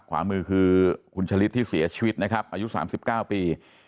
ขวามือคือคุณชะลิดที่เสียชีวิตนะครับอายุ๓๙ปี